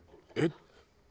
えっ？